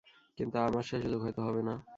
কিন্তু আমার সে সুযোগ হয়ত হবে না।